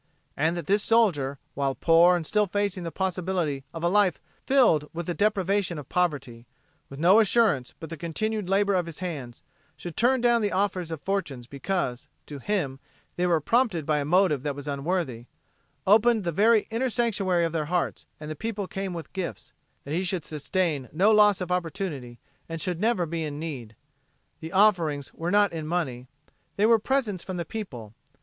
And that this soldier, while poor and still facing the possibility of a life filled with the deprivation of poverty, with no assurance but the continued labor of his hands, should turn down the offers of fortunes because, to him, they were prompted by a motive that was unworthy opened the very inner sanctuary of their hearts and the people came with gifts, that he should sustain no loss of opportunity and should never be in need. The offerings were not in money. They were presents from the people.